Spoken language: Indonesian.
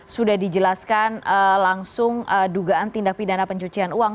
sudah dijelaskan langsung dugaan tindak pidana pencucian uang